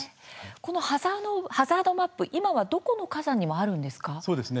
このハザードマップ今はどこの火山にもあるんですか。